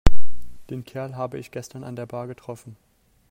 Den Kerl habe ich gestern an der Bar getroffen.